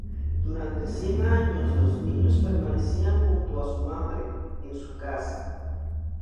Durante cien años los niños permanecían junto a su madre, en su casa.